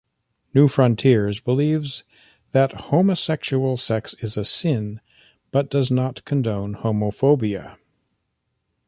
Newfrontiers believes that homosexual sex is a sin, but does not condone homophobia.